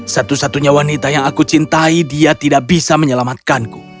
satu satunya wanita yang aku cintai dia tidak bisa menyelamatkanku